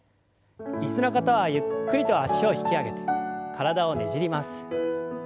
椅子の方はゆっくりと脚を引き上げて体をねじります。